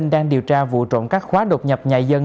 đang điều tra vụ trộm các khóa đột nhập nhà dân